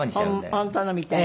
本当のみたいにね。